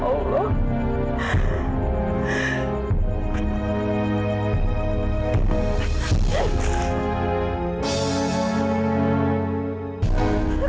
kau membunuh ayah saya